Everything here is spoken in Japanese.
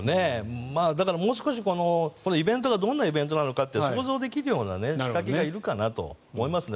だから、もう少しイベントがどんなイベントなのかって想像できるような仕掛けがいるかなと思いますね。